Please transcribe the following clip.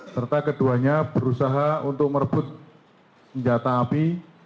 serta keduanya berusaha untuk merebut senjata api